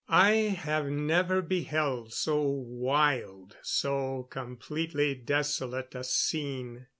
I have never beheld so wild, so completely desolate a scene.